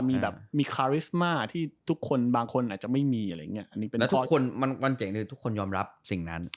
มีแบบมีคาริสมาที่ทุกคนบางคนอาจจะไม่มีอะไรอย่างเงี้อันนี้เป็นแล้วทุกคนมันเจ๋งเลยทุกคนยอมรับสิ่งนั้น